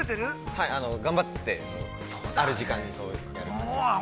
◆はい、頑張って、ある時間に。